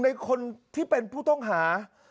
ในคนที่เป็นผู้ต้องหา